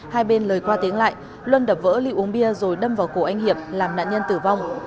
hai bên lời qua tiếng lại luân đập vỡ liêu uống bia rồi đâm vào cổ anh hiệp làm nạn nhân tử vong